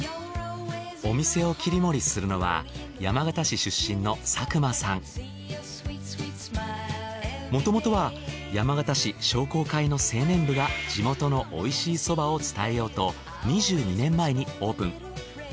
お店を切り盛りするのはもともとは山形市商工会の青年部が地元のおいしいそばを伝えようと２２年前にオープン。